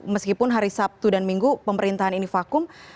meskipun hari sabtu dan minggu pemerintahan ini vakum